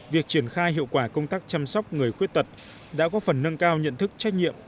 việc triển khai hiệu quả công tác chăm sóc người khuyết tật đã có phần nâng cao nhận thức trách nhiệm